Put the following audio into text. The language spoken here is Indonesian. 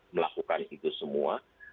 melakukan itu semua